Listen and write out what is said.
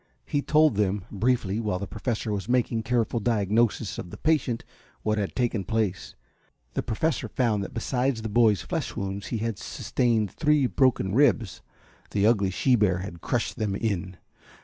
He told them, briefly, while the Professor was making a careful diagnosis of the patient, what had taken place. The Professor found that besides the boy's flesh wounds he had sustained three broken ribs. The ugly she bear had crushed them in.